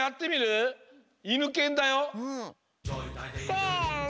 せの。